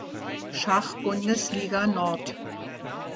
Schachbundesliga Nord.